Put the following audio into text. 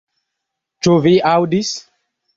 Ĉu vi aŭdis